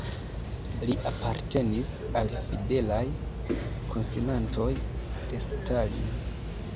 Li apartenis al fidelaj konsilantoj de Stalin.